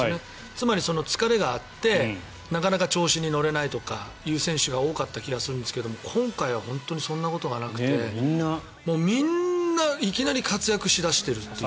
つまり、疲れがあってなかなか調子に乗れないとかっていう選手が多かったと思うんですが今回は本当にそんなことなくてみんないきなり活躍し出してるっていう。